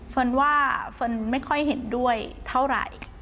ว่าเฟิร์นไม่ค่อยเห็นด้วยเท่าไหร่